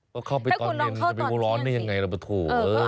ก็เข้าไปตอนเย็นจะเป็นว่าร้อนนี่ยังไงล่ะปะถูกเฮ้ยถ้าคุณลองเข้าตอนเย็นสิ